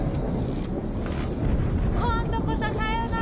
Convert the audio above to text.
今度こそさよなら！